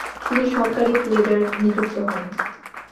তিনি সরকারী প্লেডার নিযুক্ত হন।